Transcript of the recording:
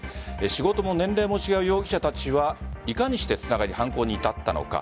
仕事も年齢も違う容疑者たちはいかにしてつながり犯行に至ったのか。